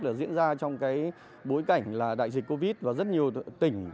là diễn ra trong cái bối cảnh là đại dịch covid và rất nhiều tỉnh